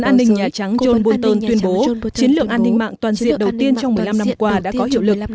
cố vấn an ninh nhà trắng joe biden tuyên bố chiến lược an ninh mạng toàn diện đầu tiên trong một mươi năm năm qua đã có hiệu lực